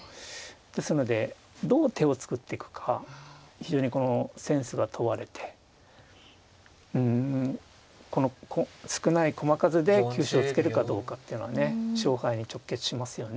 ですのでどう手を作っていくか非常にセンスが問われてこの少ない駒数で急所を突けるかどうかというのはね勝敗に直結しますよね。